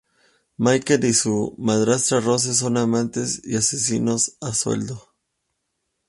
Mikey y su madrastra Rose son amantes y asesinos a sueldo.